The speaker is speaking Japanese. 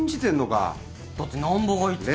だって難破が言ってた。